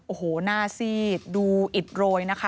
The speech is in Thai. โอ้โหหน้าซีดดูอิดโรยนะคะ